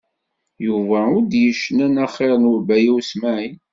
Yuba i d-yecnan axir n Baya U Smaɛil.